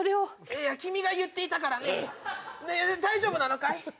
いや君が言っていたからねで大丈夫なのかい？